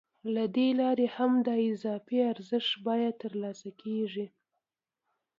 له دې لارې هم د اضافي ارزښت بیه ترلاسه کېږي